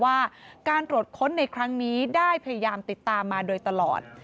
ว่าการตรวจค้นในครั้งนี้ได้พยายามติดตามมาโดยตลอด